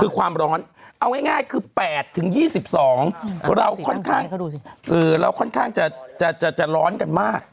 คือความร้อนเอาง่ายคือ๘๒๒เราค่อนข้างเราค่อนข้างจะร้อนกันมาก